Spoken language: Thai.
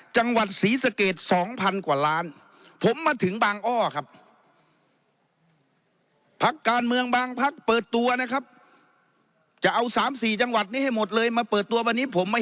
จะเอาสามสี่จังหวัดนี้ให้หมดเลยมาเปิดตัววันนี้ผมมา